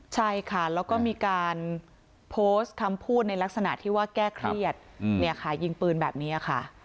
ใช่ค่ะแล้วก็มีการโพสต์คำพูดในลักษณะที่ว่าแก้เครียดเนี่ยค่ะยิงปืนแบบนี้ค่ะ